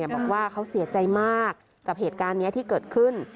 บอกว่าเขาเสียใจมากกับเหตุการณ์นี้ที่เกิดขึ้น